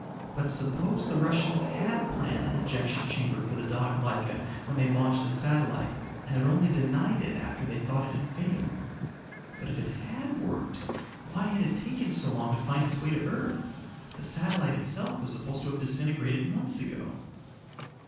But suppose the Russians had planned an ejection chamber for the dog Laika when they launched the satellite and had only denied it after they thought it had failed? But if it had worked, why had it taken so long to find its way to earth? The satellite itself was supposed to have disintegrated months ago.